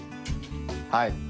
はい。